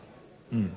うん。